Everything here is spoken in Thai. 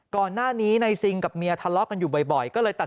ก่อนหน้านี้ในซิงกับเมียทะเลาะกันอยู่บ่อยก็เลยตัด